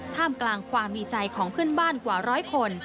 ท่ามกลางความมีใจของเพื่อนบ้านกว่าร้อยคน